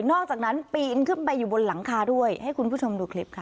อกจากนั้นปีนขึ้นไปอยู่บนหลังคาด้วยให้คุณผู้ชมดูคลิปค่ะ